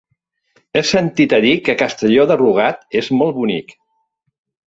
He sentit a dir que Castelló de Rugat és molt bonic.